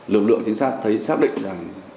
lực lượng trinh sát thấy xác định rằng